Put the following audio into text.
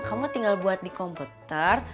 kamu tinggal buat di komputer